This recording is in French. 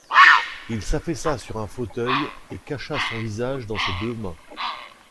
Il s’affaissa sur un fauteuil et cacha son visage dans ses deux mains.